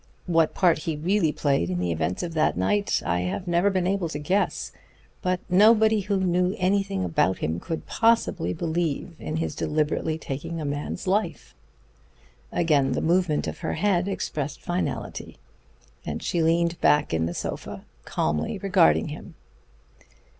What part he really played in the events of that night I have never been able to guess. But nobody who knew anything about him could possibly believe in his deliberately taking a man's life." Again the movement of her head expressed finality, and she leaned back in the sofa, calmly regarding him.